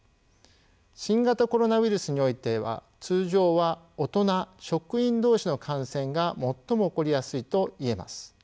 新型コロナウイルスにおいては通常は大人職員同士の感染が最も起こりやすいと言えます。